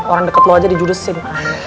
orang deket lo aja di judesin